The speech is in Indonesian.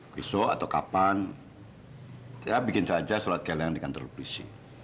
besok atau kapan ya bikin saja surat kehilangan di kantor polisi